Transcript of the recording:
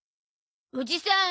おじさん